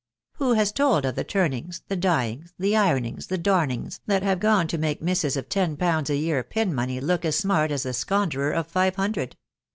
Who has told of the turnings, the dyings, the ironings, the darnings, that have gone to make misses of ten pounds a year pin money look as smart as the squanderer of five hundred